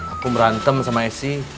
aku merantem sama esi